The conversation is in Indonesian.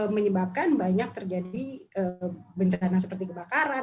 menyebabkan banyak terjadi bencana seperti kebakaran